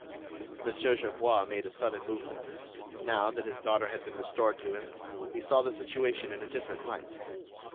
Mon. Gerbois made a sudden movement. Now, that his daughter had been restored to him, he saw the situation in a different light.